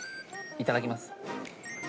いただきます。